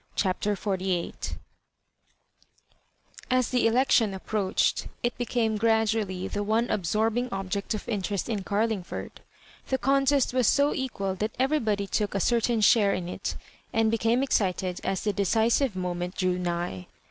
CHAPTER XLYIIT As the election approached, it became gradually the one absorbing object of interest in Oarling ford. The contest was so equal that everybody took a certain share in it, and became excited as the decisive moment drew nigh.